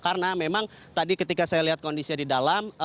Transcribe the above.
karena memang tadi ketika saya lihat kondisinya di dalam